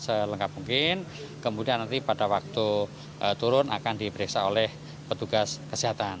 selengkap mungkin kemudian nanti pada waktu turun akan diperiksa oleh petugas kesehatan